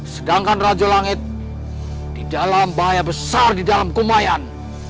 sedangkan raja langit di dalam bahaya besar di dalam kumayan